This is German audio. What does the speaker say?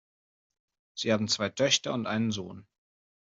Sie haben zwei Töchter und einen Sohn.